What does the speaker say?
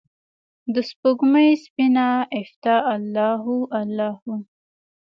دسپوږمۍ سپینه عفته الله هو، الله هو